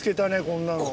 こんなの。